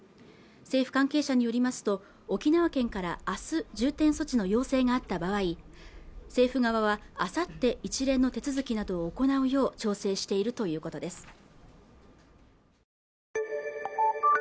政府関係者によりますと沖縄県から明日重点措置の要請があった場合政府側は明後日一連の手続きなどを行うよう調整しているということです